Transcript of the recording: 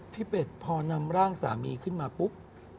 เป็ดพอนำร่างสามีขึ้นมาปุ๊บ